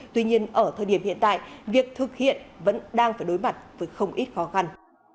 tuy nhiên ở thời điểm hiện tại việc thực hiện vẫn đang phải đối mặt với không ít khó khăn